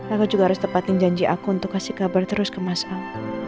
aku juga harus tepatin janji aku untuk kasih kabar terus ke mas al